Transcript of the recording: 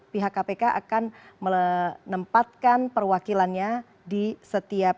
pihak kpk akan menempatkan perwakilannya di setiap